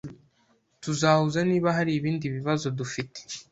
Tuzahuza niba hari ibindi bibazo dufite